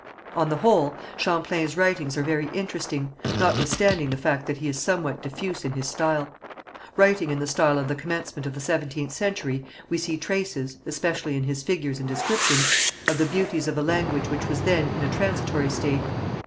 On the whole, Champlain's writings are very interesting, notwithstanding the fact that he is somewhat diffuse in his style. Writing in the style of the commencement of the seventeenth century, we see traces, especially in his figures and descriptions, of the beauties of a language which was then in a transitory state.